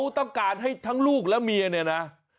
ต้องการให้ทั้งลูกและเมียเนี่ยนะ